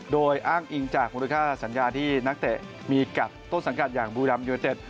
โดยอ้างอิงจากมูลค่าสัญญาที่นักเตะมีกัดต้นสังกัดอย่างบูรัมยูเต็ด